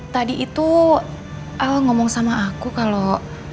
tadi itu al ngomong sama aku kalau